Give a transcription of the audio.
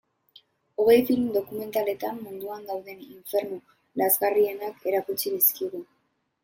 Hogei film dokumentaletan munduan dauden infernu lazgarrienak erakutsi dizkigu.